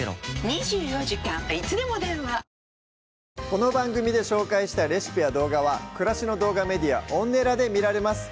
この番組で紹介したレシピや動画は暮らしの動画メディアＯｎｎｅｌａで見られます